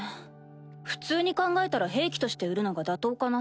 普通に考えたら兵器として売るのが妥当かな。